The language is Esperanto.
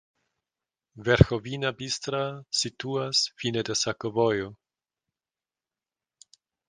Verĥovina-Bistra situas fine de sakovojo.